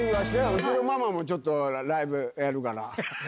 うちのママも、ちょっとライブやるから。